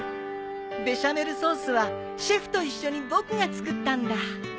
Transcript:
ベシャメルソースはシェフと一緒に僕が作ったんだ。